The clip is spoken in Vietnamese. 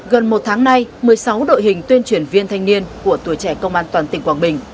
gần một tháng nay một mươi sáu đội hình tuyên truyền viên thanh niên của tuổi trẻ công an toàn tỉnh quảng bình